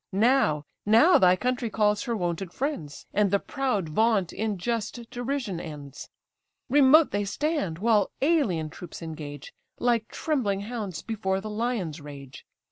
Now, now thy country calls her wonted friends, And the proud vaunt in just derision ends. Remote they stand while alien troops engage, Like trembling hounds before the lion's rage.